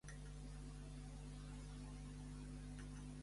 Actualment està filmant The Killing Season per Foxtel.